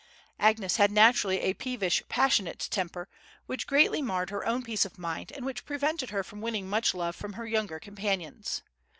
Agnes had naturally a peevish, passionate temper, which greatly marred her own peace of mind, and which prevented her from winning much love from her young companions.